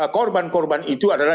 korban korban itu adalah